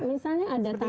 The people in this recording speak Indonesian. misalnya ada tanaman